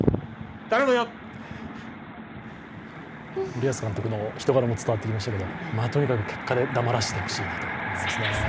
森保監督の人柄も伝わってきましたけどとにかく結果で黙らせてほしいなと思いますね。